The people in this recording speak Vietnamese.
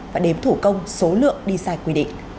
và đếm thủ công số lượng đi sai quy định